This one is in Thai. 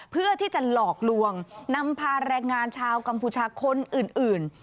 เพื่อที่จะหลอกลวงนำพาแรงงานชาวกัมพูชาคนอื่น